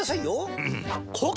うん！